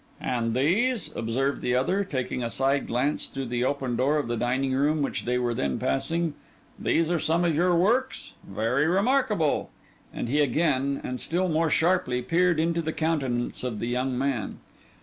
'And these,' observed the other, taking a side glance through the open door of the dining room, which they were then passing, 'these are some of your works. Very remarkable.' And he again and still more sharply peered into the countenance of the young man.